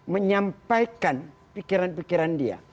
menyampaikan pikiran pikiran dia